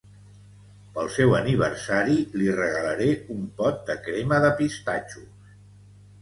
Pel seu aniversari li regalaré un pot de crema de pistatxos